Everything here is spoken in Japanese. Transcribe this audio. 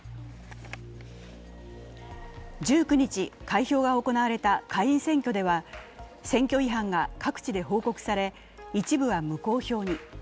１９日開票が行われた下院選挙では選挙違反が各地で報告され、一部は無効票に。